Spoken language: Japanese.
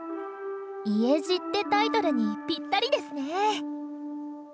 「家路」ってタイトルにピッタリですね！